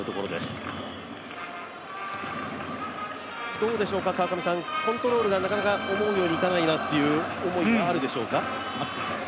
どうでしょうか、コントロールがなかなかうまくいかないなという思いはあるでしょうか？